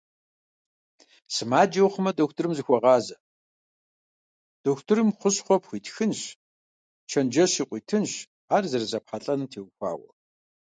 Сымаджэ ухъумэ, дохутырым зыхуэгъазэ, дохутырым хущхъуэ пхуитхынщ, чэнджэщи къуитынщ ар зэрызэпхьэлӀэнум теухуауэ.